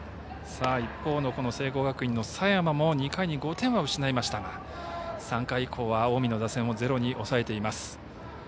一方の聖光学院の佐山も２回に５点は失いましたが３回以降は、近江の打線ゼロに抑えています。